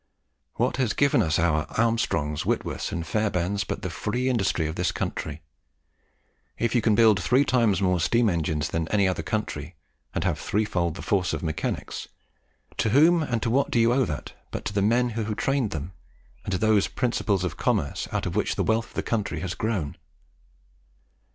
What has given us our Armstrongs, Whitworths, and Fairbairns, but the free industry of this country? If you can build three times more steam engines than any other country, and have threefold the force of mechanics, to whom and to what do you owe that, but to the men who have trained them, and to those principles of commerce out of which the wealth of the country has grown?